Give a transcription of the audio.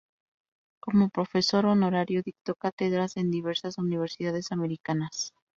Como profesor honorario dictó cátedras en diversas universidades americanas.